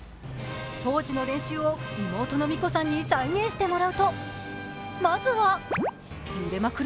当時の練習を妹の美心さんに再現してもらうとまずは揺れまくる